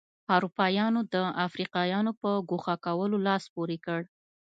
اروپایانو د افریقایانو په ګوښه کولو لاس پورې کړ.